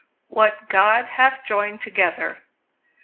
WHAT GOD HATH JOINED TOGETHER.